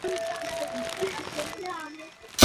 পরে যুক্তরাষ্ট্র হতে সাম্মানিক এম ডি ডিগ্রি লাভ করেন।